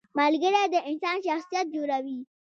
• ملګری د انسان شخصیت جوړوي.